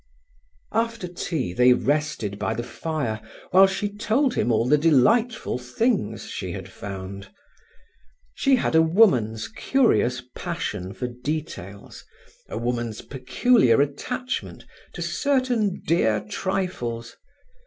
After tea they rested by the fire, while she told him all the delightful things she had found. She had a woman's curious passion for details, a woman's peculiar attachment to certain dear trifles.